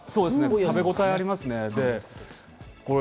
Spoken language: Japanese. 食べごたえがありますね。